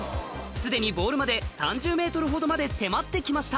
すでにボールまで３０ｍほどまで迫ってきました